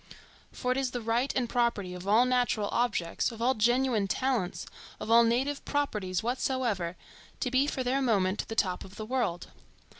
For it is the right and property of all natural objects, of all genuine talents, of all native properties whatsoever, to be for their moment the top of the world.